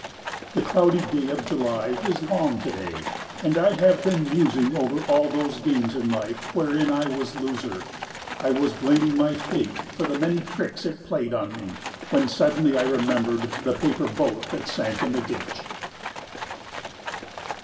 The cloudy day of July is long today, and I have been musing over all those games in life wherein I was loser. I was blaming my fate for the many tricks it played on me, when suddenly I remembered the paper boat that sank in the ditch.